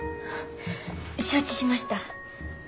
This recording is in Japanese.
承知しました。